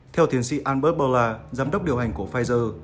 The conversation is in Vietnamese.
theo thiền sĩ albert bolla giám đốc điều hành của pfizer